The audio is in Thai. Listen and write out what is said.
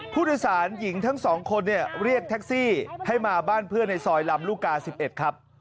ผู้โดยสารหญิงทั้ง๒คนเรียกแท็กซี่ให้มาบ้านเพื่อนในซอยลำลูกกา๑๑ครับ